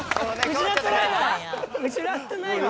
失ってないわ。